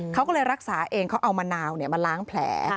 เขาก็เลยรักษาเองเขาเอามะนาวมาล้างแผล